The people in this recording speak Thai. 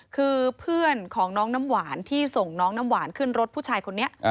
คือเพื่อนของน้องน้ำหวานที่ส่งน้องน้ำหวานขึ้นรถผู้ชายคนนี้